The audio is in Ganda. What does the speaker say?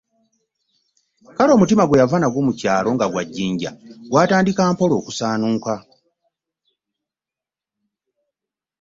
Kale omutima gwe yava nagwo mu kyalo nga gwa jjinja gwatandika mpola okusaanuuka